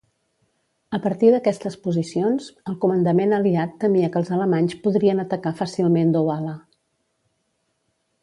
A partir d'aquestes posicions, el comandament aliat temia que els alemanys podrien atacar fàcilment Douala.